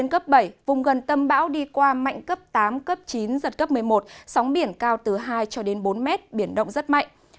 đến cấp bảy vùng gần tâm bão đi qua mạnh cấp tám cấp chín giật cấp một mươi một sóng biển cao từ hai bốn m biển động rất mạnh